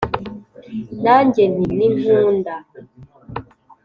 nanjye nti ni nkunda